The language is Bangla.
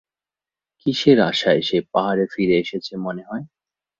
কিসের আশায় সে পাহাড়ে ফিরে এসেছে মনে হয়?